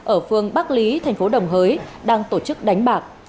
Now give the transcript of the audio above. ở phương bắc lý thành phố đồng hới đang tổ chức đánh bạc